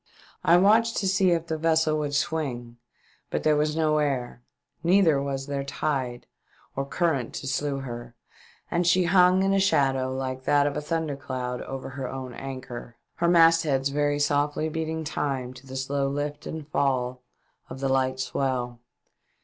I watched to see if the vessel would swing but there was no air, neither was there tide or current to slue her, and she hung in a shadow like that of a thunder cloud over her own anchor, her mastheads very softly beat ing time to the slow lift and fall of the light swell.